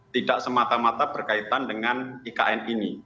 tidak semata mata berkaitan dengan ikn ini